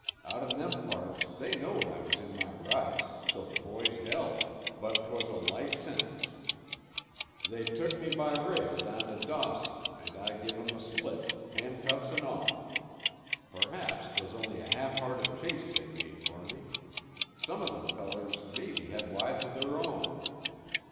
Out in them parts they knowed I was in my rights; so the boys held, but 'twas a life sentence. They tuk me by rail down to Dawson an' I give 'em the slip, handcuffs an' all. Perhaps 'twas only a half hearted chase they made fer me. Some of them fellers mebbe had wives of their own."